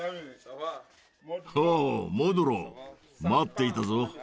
おおモドゥロー待っていたぞ。